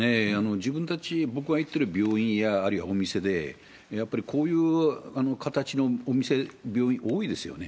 自分たち、僕が行ってる病院や、あるいはお店で、やっぱりこういう形のお店、病院、多いですよね。